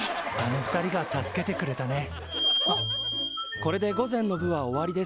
これで午前の部は終わりです。